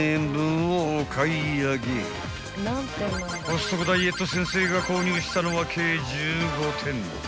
［コストコダイエット先生が購入したのは計１５点］